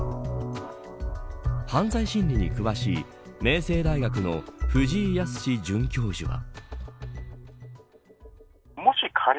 犯罪心理に詳しい、明星大学の藤井靖准教授は。